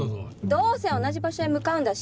どうせ同じ場所へ向かうんだし。